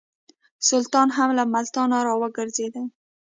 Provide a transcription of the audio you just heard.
سلطان هم له ملتانه را وګرځېدی.